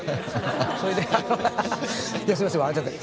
それでアハハハすいません笑っちゃって。